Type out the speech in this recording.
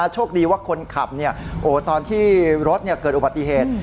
โชคดีว่าคนขับตอนที่รถเกิดอุบัติเหตุ